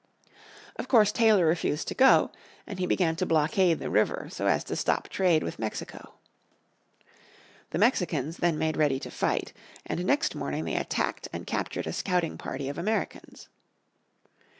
Of course Taylor refused to go, and he began to blockade the river, so as to stop trade with Mexico. The Mexicans then made ready to fight, and next morning they attacked and captured a scouting party of Americans.